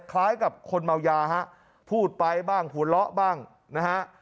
คล้ายกับคนเมายาฮะพูดไปบ้างหัวเราะบ้างนะฮะ